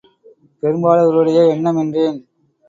பெரும்பாலோருடைய எண்ணம், என்றேன்.